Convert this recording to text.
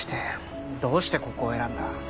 どうしてここを選んだ？